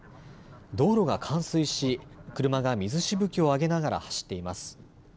道路が冠水し、車が水しぶきを上げながら走っています。